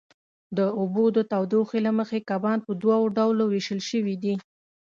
د اوبو د تودوخې له مخې کبان په دوو ډلو وېشل شوي دي.